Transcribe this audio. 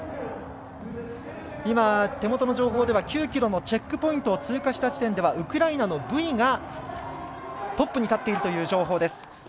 手元の情報では９ｋｍのチェックポイントを通過した時点ではウクライナのブイがトップに立っているという情報。